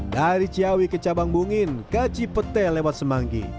dari ciawi ke cabang bungin kaci pete lewat semanggi